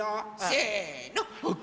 せの！